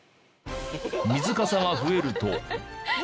水かさが増えると。